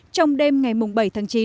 trong đêm ngày bảy tháng chín